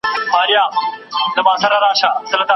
اوسنی وضعيت تر پخوا ډاډمن دی.